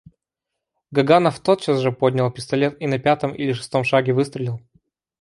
Гаганов тотчас же поднял пистолет и на пятом или шестом шаге выстрелил.